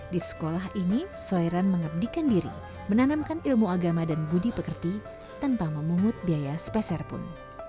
di sekolah ini soiran mengabdikan diri menanamkan ilmu agama dan budi pekerti tanpa memungut biaya speserpun